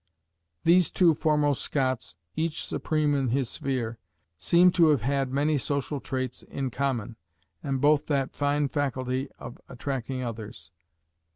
These two foremost Scots, each supreme in his sphere, seem to have had many social traits in common, and both that fine faculty of attracting others.